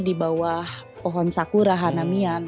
di bawah pohon sakura hanamian